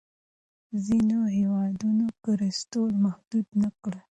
ځینو هېوادونو کلسترول محدود نه کړ.